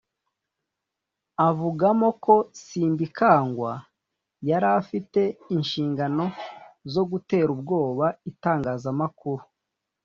avugamo ko Simbikangwa yari afite inshingano zo gutera ubwoba itangazamakuru